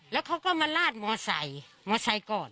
แล้วเขาก็มาลาดมอไซค์มอไซค์ก่อน